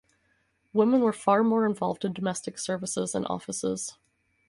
Women were far more involved in domestic services and offices.